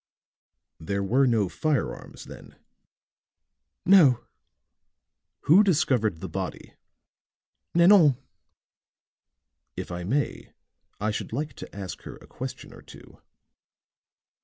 "There were no firearms, then?" "No." "Who discovered the body?" "Nanon." "If I may I should like to ask her a question or two."